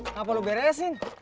ngapain lo beresin